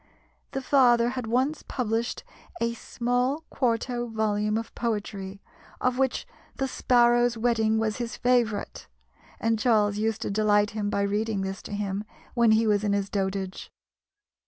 The father had once published a small quarto volume of poetry, of which "The Sparrow's Wedding" was his favourite, and Charles used to delight him by reading this to him when he was in his dotage.